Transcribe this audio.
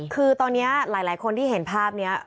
คือตอนนี้หลายคนที่เห็นภาพนี้